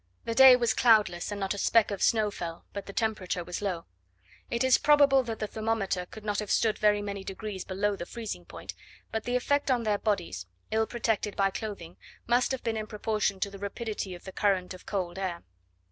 The day was cloudless, and not a speck of snow fell, but the temperature was low. It is probable that the thermometer could not have stood very many degrees below the freezing point, but the effect on their bodies, ill protected by clothing, must have been in proportion to the rapidity of the current of cold air.